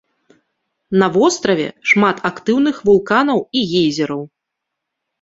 На востраве шмат актыўных вулканаў і гейзераў.